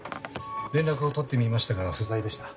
連絡をとってみましたが不在でした。